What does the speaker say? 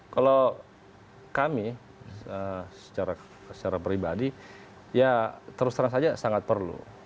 kalau kami secara pribadi ya terus terang saja sangat perlu